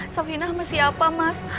safina masih apa mas